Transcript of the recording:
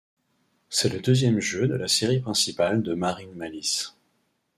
C'est le deuxième jeu de la série principale de Marine Malice.